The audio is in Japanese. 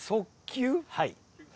はい。